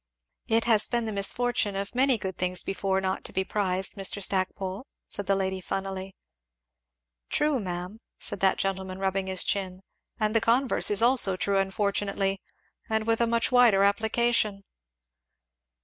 "It has been the misfortune of many good things before not to be prized, Mr. Stackpole," said the lady funnily. "True, ma'am," said that gentleman rubbing his chin "and the converse is also true unfortunately, and with a much wider application."